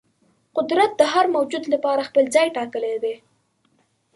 قدرت د هر موجود لپاره خپل ځای ټاکلی دی.